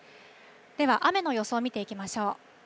では、雨の予想を見ていきましょう。